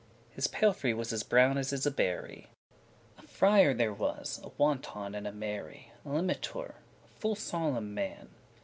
His palfrey was as brown as is a berry. A FRIAR there was, a wanton and a merry, A limitour <18>, a full solemne man.